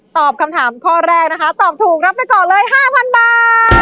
ตอบคำถามข้อแรกนะคะตอบถูกรับไปก่อนเลย๕๐๐บาท